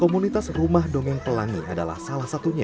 komunitas rumah dongeng pelangi adalah salah satunya